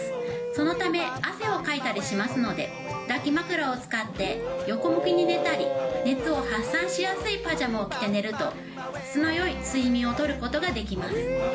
そのため、汗をかいたりしますので、抱き枕を使って横向きに寝たり、熱を発散しやすいパジャマを着て寝ると、質のよい睡眠を取ることができます。